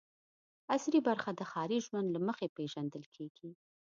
عصري برخه د ښاري ژوند له مخې پېژندل کېږي.